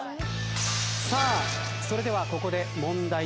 さあそれではここで問題です。